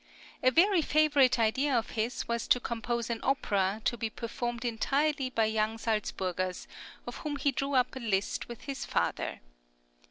A very favourite idea of his was to compose an opera, to be performed entirely by young Salzburgers, of whom he drew up a list with his father.